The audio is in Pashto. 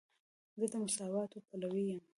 زه د مساواتو پلوی یم.